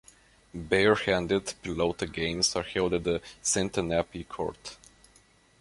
Bare-handed pelota games are held at the Santanape court.